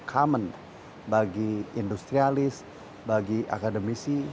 common bagi industrialis bagi akademisi